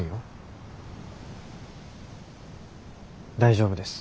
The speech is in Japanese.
大丈夫です。